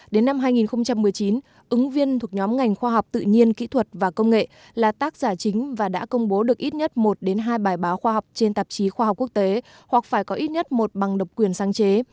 đến năm hai nghìn một mươi chín ứng viên thuộc nhóm ngành khoa học tự nhiên kỹ thuật và công nghệ là tác giả chính và đã công bố được ít nhất một hai bài báo khoa học trên tạp chí khoa học quốc tế hoặc phải có ít nhất một bằng độc quyền sáng chế